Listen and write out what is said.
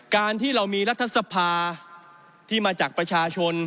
การที่เรามีรัฐสภาที่มาจากประชาชน